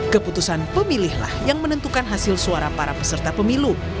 keputusan pemilihlah yang menentukan hasil suara para peserta pemilu